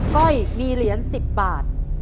ก้อยมีเหรียญ๑๐บาท